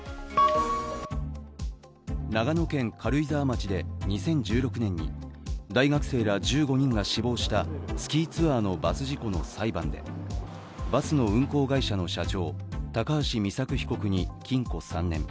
長野県軽井沢町で２０１６年に、大学生ら１５人が死亡したスキーツアーのバス事故の裁判でバスの運行会社の社長高橋美作被告に禁錮３年。